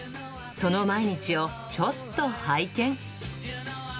その毎日をちょっと拝見。